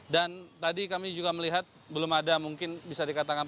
dan tadi kami juga melihat belum ada mungkin bisa dikatakan